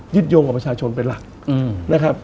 โยงกับประชาชนเป็นหลักนะครับ